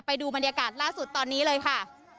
ไปดูบรรยากาศล่าสุดตอนนี้เลยค่ะ